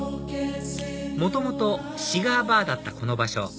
元々シガーバーだったこの場所